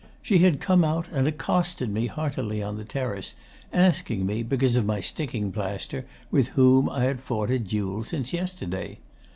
She had come out and accosted me heartily on the terrace, asking me, because of my sticking plaster, with whom I had fought a duel since yesterday.